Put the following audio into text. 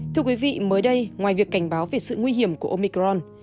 thưa quý vị mới đây ngoài việc cảnh báo về sự nguy hiểm của omicron